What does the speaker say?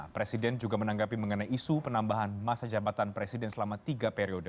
presiden juga menanggapi mengenai isu penambahan masa jabatan presiden selama tiga periode